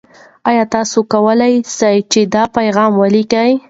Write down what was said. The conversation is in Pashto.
آیا ته کولای سې چې دا پیغام ولیکې؟